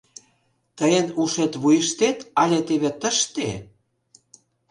Тыйын ушет вуйыштет але теве тыште?